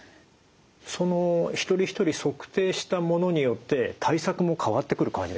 その一人一人測定したものによって対策も変わってくる感じなんですか？